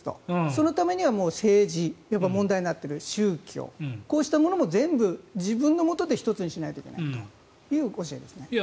そのためには政治問題になっている宗教こうしたものも全部自分のもとで一つにしなきゃいけないと。